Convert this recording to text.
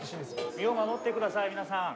身を守って下さい皆さん。